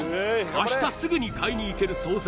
明日すぐに買いに行ける惣菜